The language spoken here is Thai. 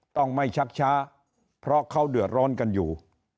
ต้องไม่ชักช้าเพราะเขาเดือดร้อนกันอยู่